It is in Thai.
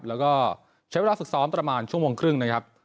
แล้วก็ใช้เวลาฝึกซ้อมประมาณชั่วโมงครึ่งนะครับ